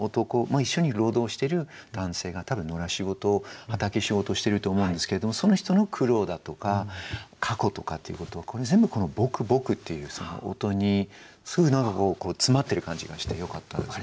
一緒に労働している男性が多分野良仕事畑仕事をしていると思うんですけれどもその人の苦労だとか過去とかっていうことをこれ全部この「ぼくぼく」っていうその音に詰まってる感じがしてよかったですね。